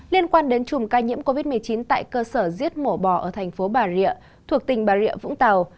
liên quan đến chùm ca nhiễm covid một mươi chín tại cơ sở giết mổ bò ở thành phố bà rịa thuộc tỉnh bà rịa vũng tàu